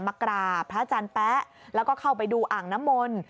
มากราบพระอาจารย์แป๊ะแล้วก็เข้าไปดูอ่างน้ำมนต์